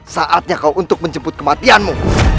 saatnya kau untuk menjemput kematianmu